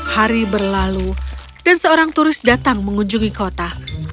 hari berlalu dan seorang turis datang mengunjungi kota